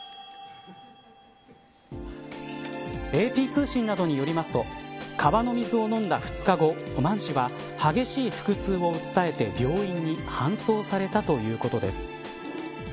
ＡＰ通信などによりますと川の水を飲んだ２日後マン氏は、激しい腹痛を訴えて病院に搬送されたということです。